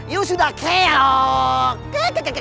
you sudah keok